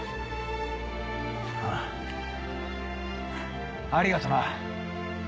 あぁ。ありがとな！